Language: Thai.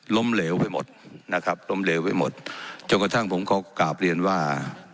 ล้มเหลวไปหมดนะครับล้มเหลวไปหมดจนกระทั่งผมก็กราบเรียนว่า